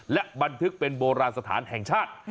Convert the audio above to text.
และบันทึกเป็นโบราณสถานแห่งชาติ